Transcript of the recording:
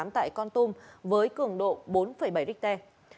tại con tung với cường độ bốn bảy richter